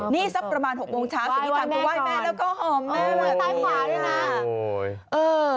นี่สักประมาณ๖โมงช้าสุขีธรรมกูไหว้แม่แล้วก็หอมแม่แบบนี้